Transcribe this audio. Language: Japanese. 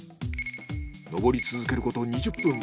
登り続けること２０分。